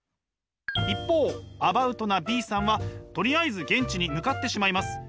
一方アバウトなＢさんはとりあえず現地に向かってしまいます。